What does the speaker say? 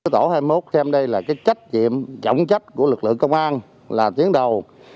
tổ hai mươi một xem đây là trách nhiệm trọng trách của lực lượng công an là tuyến đầu